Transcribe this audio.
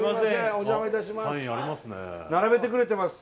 お邪魔いたします